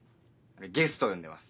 ゲストを呼んでます。